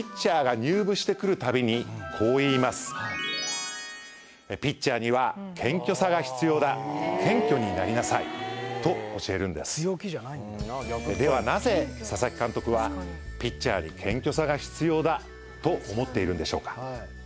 入部してくるたびにこう言います「謙虚になりなさい」と教えるんですではなぜ佐々木監督はピッチャーに謙虚さが必要だと思っているんでしょうか？